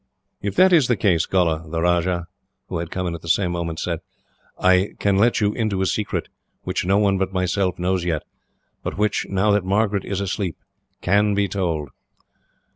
"If that is the case, Gholla," the Rajah, who had come in at the same moment, said, "I can let you into a secret, which no one but myself knows yet, but which, now that Margaret is asleep, can be told."